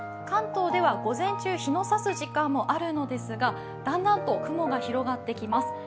関東では午前中、日のさす時間もあるんですが、だんだんと雲が広がってきます。